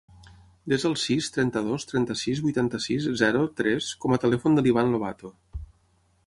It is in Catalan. Desa el sis, trenta-dos, trenta-sis, vuitanta-sis, zero, tres com a telèfon de l'Ivan Lobato.